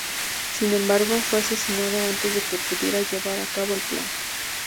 Sin embargo, fue asesinado antes de que pudiera llevar a cabo el plan.